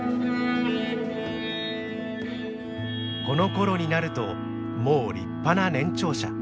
このころになるともう立派な年長者。